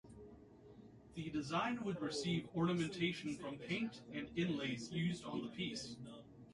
The design would receive ornamentation from paint and inlays used on the piece.